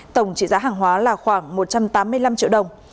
tổng trị giá hàng hóa là khoảng một trăm tám mươi năm triệu đồng